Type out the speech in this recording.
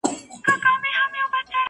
چي خوب ته راسې بس هغه شېبه مي ښه تېرېږي!.